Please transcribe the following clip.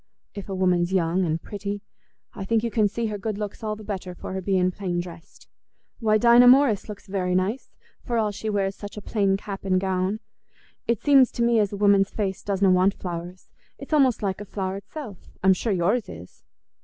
If a woman's young and pretty, I think you can see her good looks all the better for her being plain dressed. Why, Dinah Morris looks very nice, for all she wears such a plain cap and gown. It seems to me as a woman's face doesna want flowers; it's almost like a flower itself. I'm sure yours is."